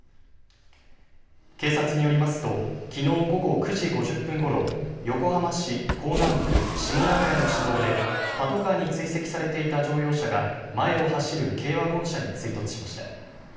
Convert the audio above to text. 警察によりますときのう午後９時５０分ごろ横浜市港南区下永谷の市道でパトカーに追跡されていた乗用車が前を走る軽ワゴン車に追突しました。